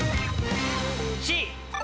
Ｃ！